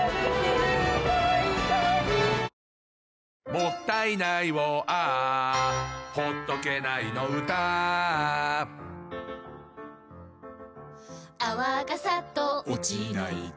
「もったいないをＡｈ」「ほっとけないの唄Ａｈ」「泡がサッと落ちないと」